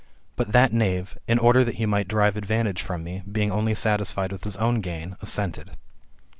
But that knave, in order that he might derive advantage from me, being only satisfied with his own gain, assented.